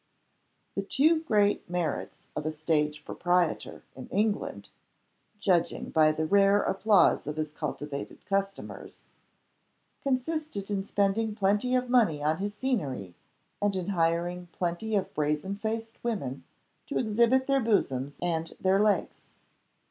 The two great merits of a stage proprietor, in England (judging by the rare applause of his cultivated customers), consisted in spending plenty of money on his scenery, and in hiring plenty of brazen faced women to exhibit their bosoms and their legs.